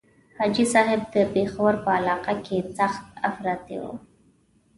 حاجي صاحب د پېښور په علاقه کې سخت افراطي وو.